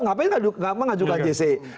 ngapain nggak mengajukan jc